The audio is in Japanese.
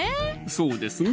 そうですね